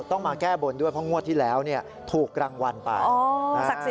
ต้องมาแก้บนด้วยเพราะงวดที่แล้วถูกรางวัลไปนะฮะ